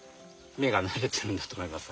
目が慣れてるんだと思います。